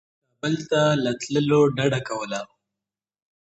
کابل ته له تللو ډده کوله.